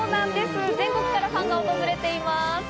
全国からファンが訪れています。